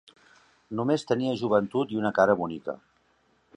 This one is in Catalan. Només tenia joventut i una cara bonica.